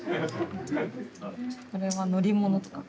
これは乗り物とか。